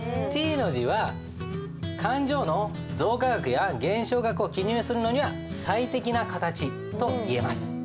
Ｔの字は勘定の増加額や減少額を記入するのには最適な形といえます。